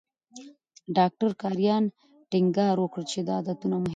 ډاکټر کرایان ټینګار وکړ چې دا عادتونه مهم دي.